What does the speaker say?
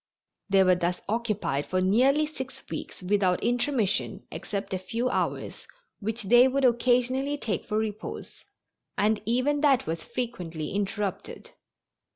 They were thus occupied for nearly six weeks without intermission except a few hours, which they would occasionally take for repose, and even that was frequently interrupted.